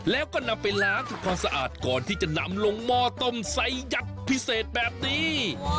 แล้วก็นำไปล้างทำความสะอาดก่อนที่จะนำลงหม้อต้มไซสยักษ์พิเศษแบบนี้